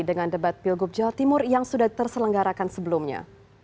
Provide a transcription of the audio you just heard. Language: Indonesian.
dengan debat pilgub jawa timur yang sudah terselenggarakan sebelumnya